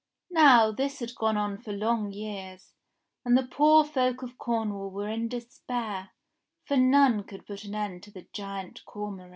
Now this had gone on for long years, and the poor folk of Cornwall were in despair, for none could put an end to the Giant Cormoran.